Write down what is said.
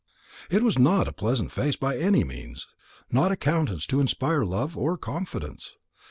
It was not a pleasant face by any means not a countenance to inspire love or confidence.